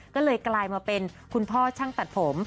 ก็เลยกลายมาเป็นคุณพ่อช่างตัดผม